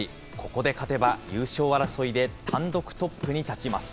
ここで勝てば、優勝争いで単独トップに立ちます。